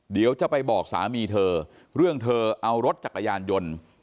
เดี๋ยวจะไปบอกสามีเธอเรื่องเธอเอารถจักรยานยนต์